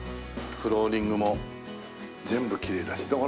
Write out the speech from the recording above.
フローリングも全部きれいだし。